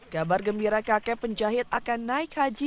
kabar gembira kakek penjahit akan naik haji